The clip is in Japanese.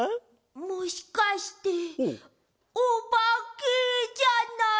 もしかしておばけじゃない？